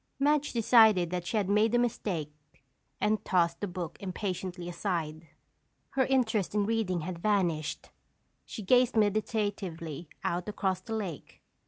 Madge decided that she had made a mistake and tossed the book impatiently aside. Her interest in reading had vanished. She gazed meditatively out across the lake.